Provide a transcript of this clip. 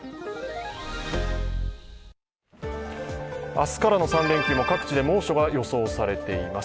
明日からの３連休も各地で猛暑が予想されています。